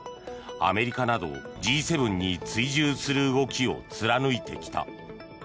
アメリカなどＧ７に追従する動きを貫いてきた。